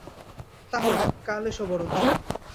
তা হোক, কাল এসো বরঞ্চ।